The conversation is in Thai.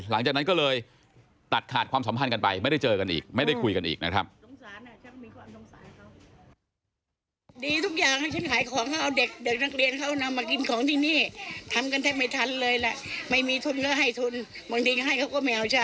หลังจากนั้นก็เลยตัดขาดความสัมพันธ์กันไปไม่ได้เจอกันอีกไม่ได้คุยกันอีกนะครับ